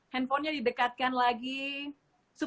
harapan saya adalah kita presence ella people